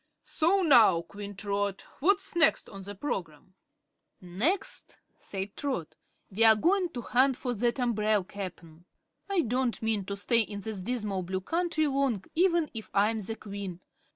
"So now, Queen Trot, what's next on the program?" "Next," said Trot, "we're goin' to hunt for that umbrel, Cap'n. I don't mean to stay in this dismal Blue Country long, even if I am the Queen.